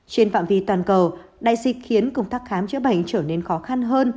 trên phạm vi toàn cầu đại dịch khiến công tác khám chữa bệnh trở nên khó khăn hơn